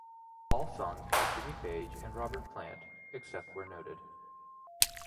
All songs by Jimmy Page and Robert Plant, except where noted.